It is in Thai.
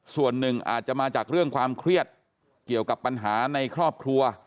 ส่วนหนึ่งอาจจะมาจากเรื่องความเครียดเกี่ยวกับปัญหาในครอบครัว